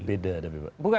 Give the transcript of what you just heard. beda tapi pak